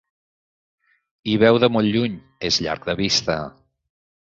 Hi veu de molt lluny: és llarg de vista.